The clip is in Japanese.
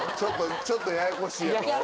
ちょっとややこしいやろ？